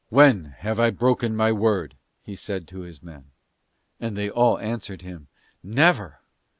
"When have I broken my word?" he said to his men. And they all answered him, "Never!"